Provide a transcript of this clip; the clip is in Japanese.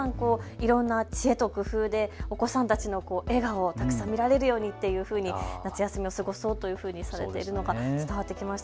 いろんな知恵と工夫でお子さんたちの笑顔たくさん見られるようにっていうふうに夏休みを過ごそうというふうにされているのが伝わってきました。